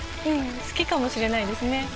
うん好きかもしれないですね